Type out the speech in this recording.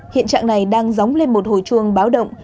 hiện trạng này đang dóng lên một hồi chuông báo động